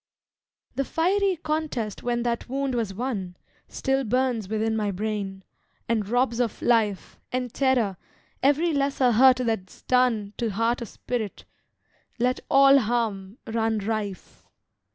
The fiery contest when that wound was won, Still burns within my brain, and robs of life, And terror, every lesser hurt that's done To heart or spirit; let all harm run rife.